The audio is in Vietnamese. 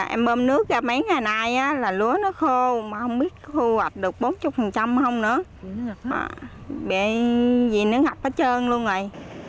em bơm nước ra mấy ngày nay là lúa nó khô mà không biết khô gặp được bốn mươi không nữa bệnh gì nó ngập hết trơn luôn rồi